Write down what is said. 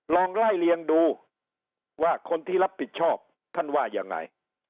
ลองไล่เลี้ยงดูว่าคนที่รับผิดชอบท่านว่ายังไง